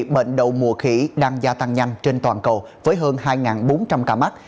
bệnh đầu mùa khỉ đang gia tăng nhanh trên toàn cầu với hơn hai bốn trăm linh ca mắc